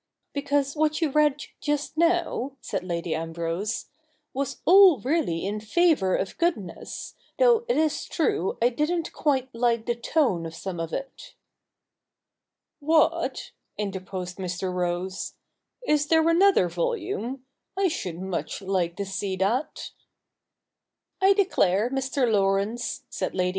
'Because what you read just now,' said Lady Ambrose, ' was all really in favour of goodness, though it is true I didn't quite like the tone of some of it.' 'What,' interposed Mr. Rose, 'is there another volume ? I should much like to see that.' M 178 THE NEW REPUBLIC [r.K. iii ' I declare, Mr. Laurence,' said Lady